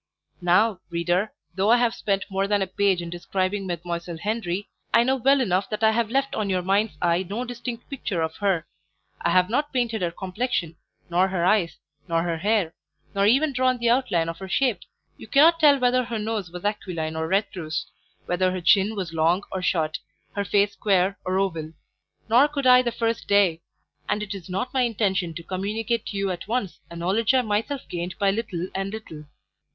Now, reader, though I have spent more than a page in describing Mdlle. Henri, I know well enough that I have left on your mind's eye no distinct picture of her; I have not painted her complexion, nor her eyes, nor her hair, nor even drawn the outline of her shape. You cannot tell whether her nose was aquiline or retrousse, whether her chin was long or short, her face square or oval; nor could I the first day, and it is not my intention to communicate to you at once a knowledge I myself gained by little and little.